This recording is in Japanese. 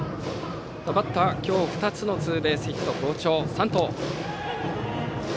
バッターは今日２つのツーベースヒットと好調の山藤。